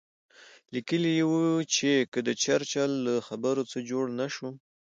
لیکلي یې وو چې که د چرچل له خبرو څه جوړ نه شو.